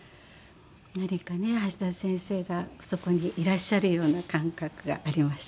何かね橋田先生がそこにいらっしゃるような感覚がありました。